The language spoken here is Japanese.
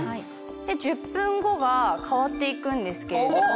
１０分後が変わって行くんですけれども。